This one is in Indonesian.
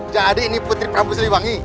jadi ini putri prabu selibangi